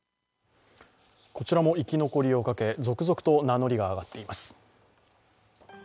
こちらも生き残りをかけ続々と名乗りが上がっています。